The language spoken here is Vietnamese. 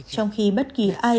trong khi bất kỳ ai cũng không biết